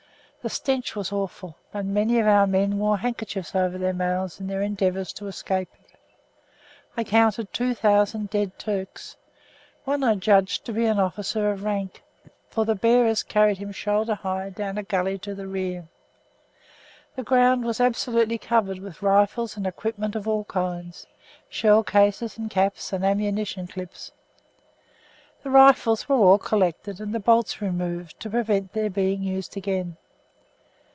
The stench was awful, and many of our men wore handkerchiefs over their mouths in their endeavour to escape it. I counted two thousand dead Turks. One I judged to be an officer of rank, for the bearers carried him shoulder high down a gully to the rear. The ground was absolutely covered with rifles and equipment of all kinds, shell cases and caps, and ammunition clips. The rifles were all collected and the bolts removed to prevent their being used again.